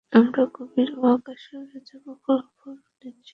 আমরা গভীর মহাকাশে উড়ে যাবো, ফলাফল, নিশ্চিত মৃত্যু।